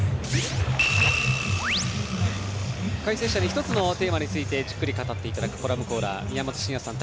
解説者に１つのテーマについてじっくり語っていただくコラムコーナー、宮本慎也さん